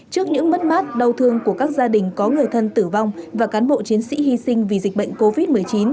trước những mất mát đau thương của các gia đình có người thân tử vong và cán bộ chiến sĩ hy sinh vì dịch bệnh covid một mươi chín